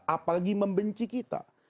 apalagi membenci kita